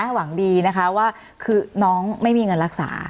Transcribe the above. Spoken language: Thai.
หวังดีนะคะว่าคือน้องไม่มีเงินรักษา